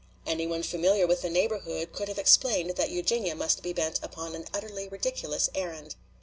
Any one familiar with the neighborhood could have explained that Eugenia must be bent upon an utterly ridiculous errand.